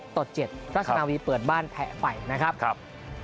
ต่อ๗ราชนาวีเปิดบ้านแพ้ไปนะครับ